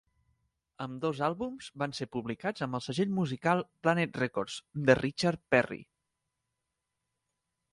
Ambdós àlbums van ser publicats amb el segell musical Planet Records de Richard Perry.